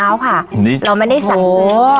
วันหนึ่งค่ะเรามาได้นี่สั่ง